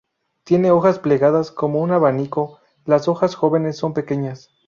Tiene hojas plegadas como un abanico; las hojas jóvenes son pequeñas.